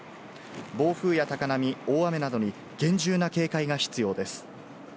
暴風や高波、大雨などに厳重な警戒が必要です。